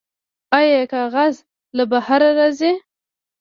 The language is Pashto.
آیا کاغذ له بهر راځي؟